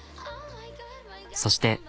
そして。